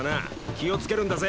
気をつけるんだぜ。